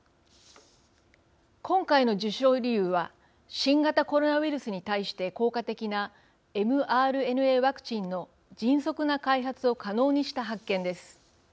今回の受賞理由は新型コロナウイルスに対して効果的なｍＲＮＡワクチンの迅速な開発を可能にした発見です。